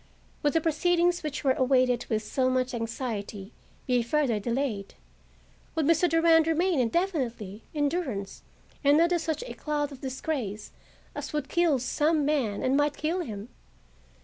Would the proceedings which were awaited with so much anxiety be further delayed? Would Mr. Durand remain indefinitely in durance and under such a cloud of disgrace as would kill some men and might kill him?